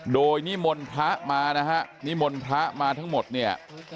โดยนิมนต์พระมานะฮะนิมนต์พระมาทั้งหมดเนี่ย